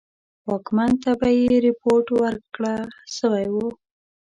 واکمن ته به یې رپوټ ورکړه سوی وو.